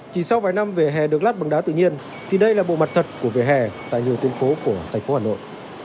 chỉ sau vài năm vỉa hè được lát bằng đá tự nhiên thì đây là bộ mặt thật của vỉa hè tại nhiều tuyến phố của thành phố hà nội